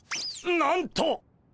なんと！